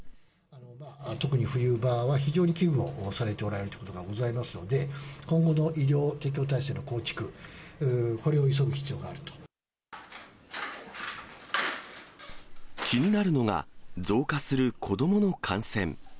特に冬場は非常に危惧をされているということがございますので、今後の医療提供体制の構築、気になるのが、増加する子どもの感染。